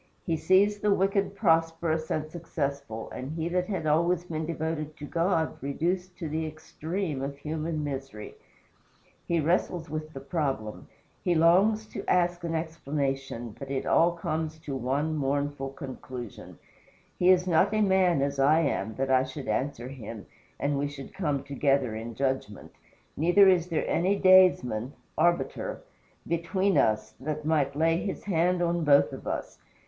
He sees the wicked prosperous and successful, and he that had always been devoted to God reduced to the extreme of human misery; he wrestles with the problem; he longs to ask an explanation; but it all comes to one mournful conclusion: "He is not a man as I am, that I should answer him, and we should come together in judgment. Neither is there any daysman [arbiter] between us, that might lay his hand on both of us.